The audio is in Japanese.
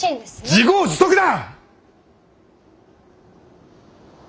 自業自得だ！